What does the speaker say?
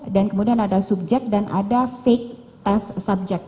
dan kemudian ada subjek dan ada fake test subject